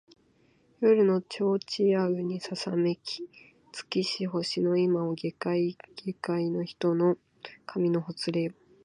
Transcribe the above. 夜の帳ちやうにささめき尽きし星の今を下界げかいの人の髪のほつれよ